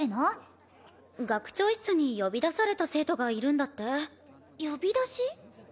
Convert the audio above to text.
・学長室に呼び出された生徒がいるんだって呼び出し？